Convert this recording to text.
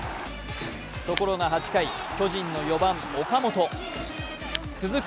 ところが８回、巨人の４番・岡本続く